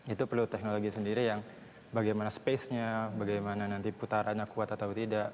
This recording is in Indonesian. itu perlu teknologi sendiri yang bagaimana space nya bagaimana nanti putarannya kuat atau tidak